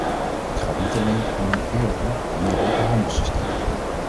Het gaat niet alleen om een eerlijker, meer open handelssysteem.